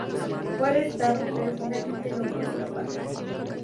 Fue arrestado, pero finalmente logró escapar.